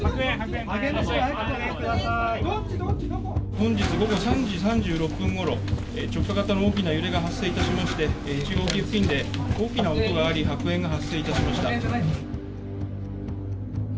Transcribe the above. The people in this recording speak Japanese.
本日午後３時３６分ごろ直下型の大きな揺れが発生いたしまして１号機付近で大きな音があり白煙が発生いたしました。